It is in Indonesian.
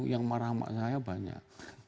yang marah sama saya banyak